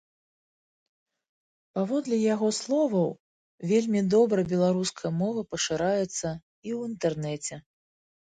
Паводле яго словаў, вельмі добра беларуская мова пашыраецца і ў інтэрнэце.